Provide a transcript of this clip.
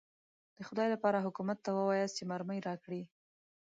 د خدای لپاره حکومت ته ووایاست چې مرمۍ راکړي.